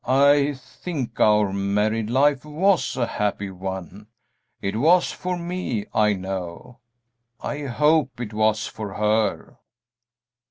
"I think our married life was a happy one. It was for me, I know; I hope it was for her."